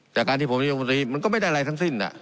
จากการที่ผมอยู่ตรงนี้มันก็ไม่ได้อะไรทั้งสิ้นอ่ะ